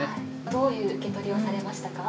どういう受け取りをされましたか？